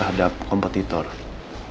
karena akan sebentar lagi kompetitor kita